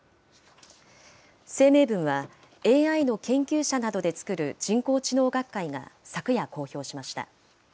声明文は、ＡＩの研究者などで作る人工知能学会が昨夜、公表しました。